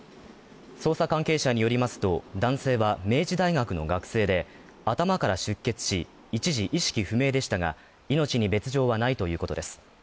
捜査関係者によりますと、男性は明治大学の学生で、頭から出血し、一時意識不明でしたが、命に別状はないということです。